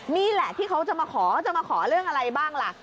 นี่แหละที่เขาจะมาขอเขาจะมาขอเรื่องอะไรบ้างล่ะ